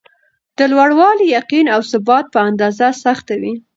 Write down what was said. د لوړوالي ،یقین او ثبات په اندازه سخته وي.